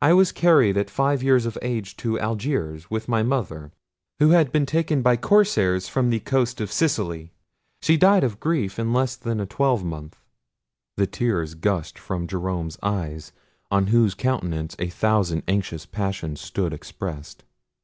I was carried at five years of age to Algiers with my mother, who had been taken by corsairs from the coast of Sicily. She died of grief in less than a twelvemonth;" the tears gushed from Jerome's eyes, on whose countenance a thousand anxious passions stood expressed.